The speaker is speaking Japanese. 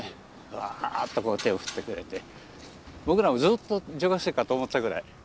ワッとこう手を振ってくれて僕らもずっと女学生かと思ったぐらい。